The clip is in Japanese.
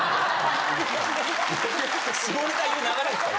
下ネタ言う流れですか？